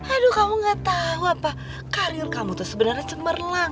aduh kamu gak tahu apa karir kamu tuh sebenarnya cemerlang